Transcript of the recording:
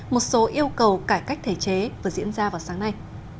một số yêu cầu cải cách thể chế vừa diễn ra vào sáng nay